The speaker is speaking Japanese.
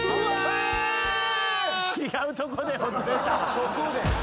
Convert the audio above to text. そこで。